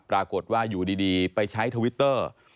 ปรากฏว่าอยู่ดีไปใช้ทวิตเตอร์